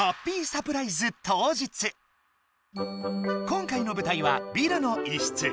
今回のぶたいはビルの一室。